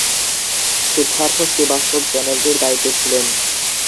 সিদ্ধার্থ শ্রীবাস্তব চ্যানেলটির দায়িত্বে ছিলেন।